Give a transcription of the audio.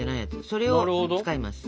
それを使います。